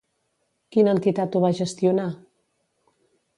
Quina entitat ho va gestionar?